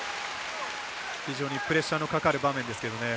非常にプレッシャーのかかる場面ですけどね。